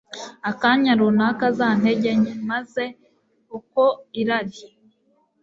akanya runaka za ntege nke. Maze uko irari